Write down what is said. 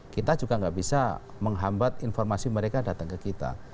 kita juga nggak bisa menghambat informasi mereka datang ke kita